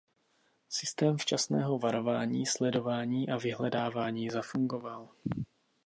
Systém včasného varování, sledování a vyhledávání zafungoval.